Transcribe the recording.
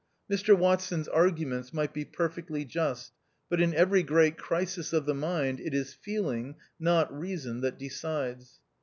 Mr Watson's arguments might be perfectly just, but in every great crisis of the mind, it is feeling, not reason that de cides.